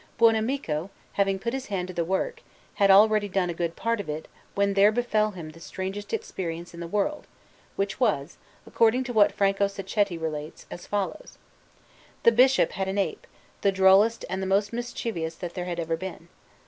Buonamico, having put his hand to the work, had already done a good part of it when there befell him the strangest experience in the world, which was, according to what Franco Sacchetti relates, as follows. The Bishop had an ape, the drollest and the most mischievous that there had ever been.